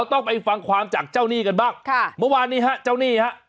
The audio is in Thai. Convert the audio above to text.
ต้องไปฟังความจากเจ้าหนี้กันบ้างค่ะเมื่อวานนี้ฮะเจ้าหนี้ฮะ